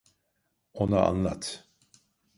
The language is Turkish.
Ona anlat.